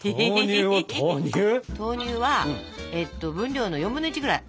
豆乳は分量の４分の１ぐらい。